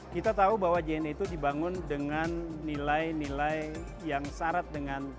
kita tahu bahwa jna itu dibangun dengan nilai nilai yang syarat dengan